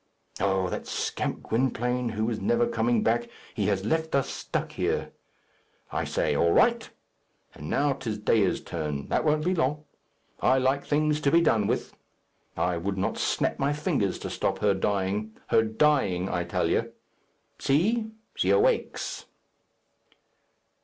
Oh! that scamp Gwynplaine, who is never coming back. He has left us stuck here. I say 'All right.' And now 'tis Dea's turn. That won't be long. I like things to be done with. I would not snap my fingers to stop her dying her dying, I tell you! See, she awakes!"